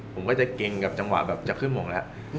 ผมก็จะเก่งกับจังหวะแบบจะขึ้นหมวกแล้ว